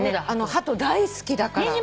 ハト大好きだから。